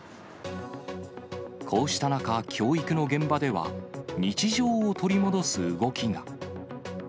こうした中、教育の現場では日常を取り戻す動きが。